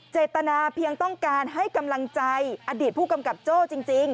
เจตนาเพียงต้องการให้กำลังใจอดีตผู้กำกับโจ้จริง